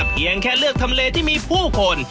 เพียงแค่เลือกทำเลที่มีผู้คน